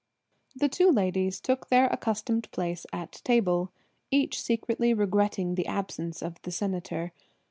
The two ladies took their accustomed places at table, each secretly regretting the absence of the Senator.